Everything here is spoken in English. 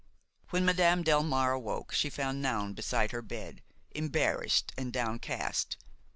When Madame Delmare awoke she found Noun beside her bed, embarrassed and downcast.